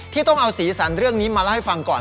ต้องเอาสีสันเรื่องนี้มาเล่าให้ฟังก่อน